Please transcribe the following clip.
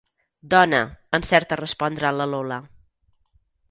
Dona, encerta a respondre la Lola.